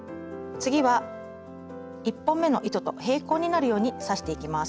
次は１本目の糸と平行になるように刺していきます。